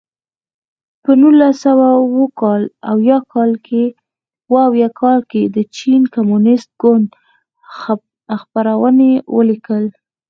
په نولس سوه اووه اویا کال کې د چین کمونېست ګوند خپرونې ولیکل.